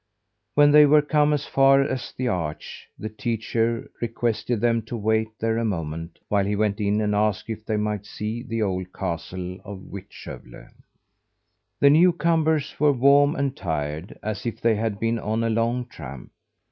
When they were come as far as the arch, the teacher requested them to wait there a moment, while he went in and asked if they might see the old castle of Vittskövle. The newcomers were warm and tired; as if they had been on a long tramp.